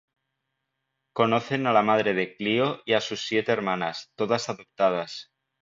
Conocen a la madre de Clío y a sus siete hermanas, todas adoptadas.